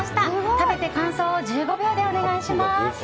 食べて感想を１５秒でお願いします。